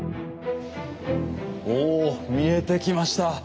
お見えてきました。